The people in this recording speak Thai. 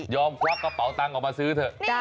ควักกระเป๋าตังค์ออกมาซื้อเถอะ